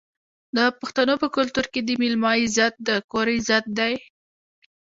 د پښتنو په کلتور کې د میلمه عزت د کور عزت دی.